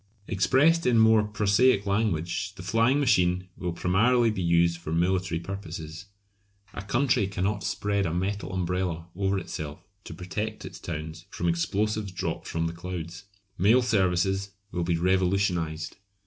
Expressed in more prosaic language, the flying machine will primarily be used for military purposes. A country cannot spread a metal umbrella over itself to protect its towns from explosives dropped from the clouds. Mail services will be revolutionised.